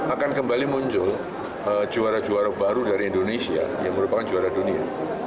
akan kembali muncul juara juara baru dari indonesia yang merupakan juara dunia